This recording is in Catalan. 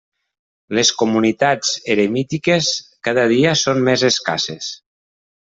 Les comunitats eremítiques cada dia són més escasses.